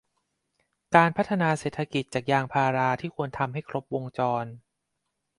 การพัฒนาเศรษฐกิจจากยางพาราที่ควรทำให้ครบวงจร